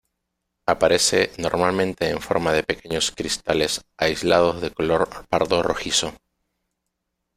Aparece normalmente en forma de pequeños cristales aislados de color pardo rojizo.